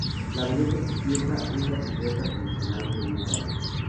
La veleta izquierda es la silueta tradicional de un gallo.